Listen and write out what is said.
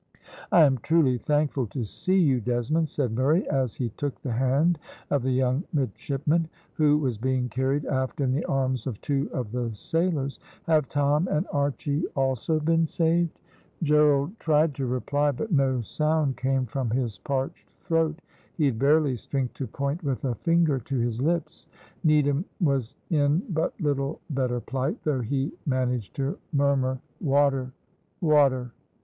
"I am truly thankful to see you, Desmond," said Murray, as he took the hand of the young midshipman, who was being carried aft in the arms of two of the sailors. "Have Tom and Archy also been saved?" Gerald tried to reply, but no sound came from his parched throat. He had barely strength to point with a finger to his lips. Needham was in but little better plight, though he managed to murmur, "water water."